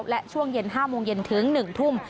และช่วงเย็น๕โมงเย็นถึง๑ทุ่ม